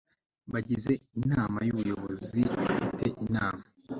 bagize inama y ubuyobozi bafite inama